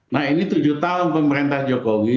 nah ini tujuh tahun pemerintah jokowi